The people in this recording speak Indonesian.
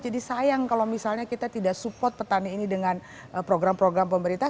jadi sayang kalau misalnya kita tidak support petani ini dengan program program pemerintah